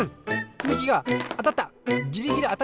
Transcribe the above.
つみきがあたった！